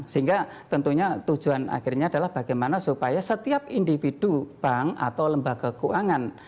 sehingga tentunya tujuan akhirnya adalah bagaimana supaya setiap individu bank atau lembaga keuangan